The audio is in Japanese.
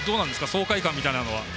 爽快感みたいなのは。